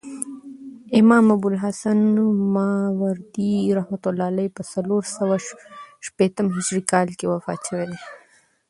امام ابوالحسن ماوردي رحمة الله په څلورسوه شپېتم هجري کال کښي وفات سوی دي.